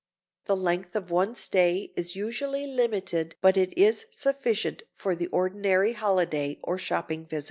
The length of one's stay is usually limited but it is sufficient for the ordinary holiday or shopping visit.